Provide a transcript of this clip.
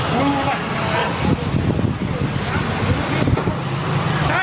ดูแบบนี้กูเลย